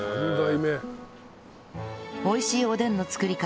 美味しいおでんの作り方